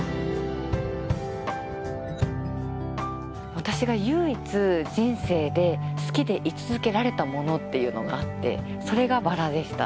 私が唯一人生で好きでい続けられたものっていうのがあってそれがバラでした。